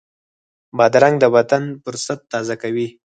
بادرنګ د بدن فُرصت تازه کوي.